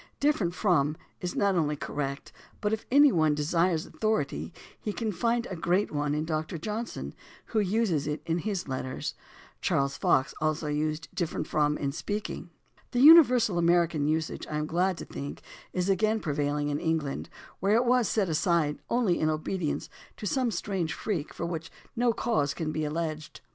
"Different from" is not only correct, but if any one desires authority he can find a great one in Doctor Johnson, who uses it in his letters THE ORIGIN OF CERTAIN AMERICANISMS 259 (Hill edition, I, p. 189). Charles Fox also used "dif ferent from" in speaking (Landor's Commentary, p. 39). The imiversal American usage, I am glad to think, is again prevailing in England, where it was set aside only in obedience to some strange freak for which no cause can be alleged.